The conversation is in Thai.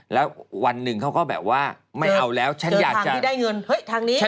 แล้ววันหนึ่งเขาก็แบบว่าไม่เอาแล้วฉันอยากจะได้เงินเฮ้ยทางนี้